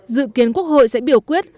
dự kiến quốc hội sẽ biểu quyết